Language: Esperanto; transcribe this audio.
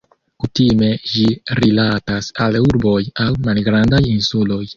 Kutime ĝi rilatas al urboj aŭ malgrandaj insuloj.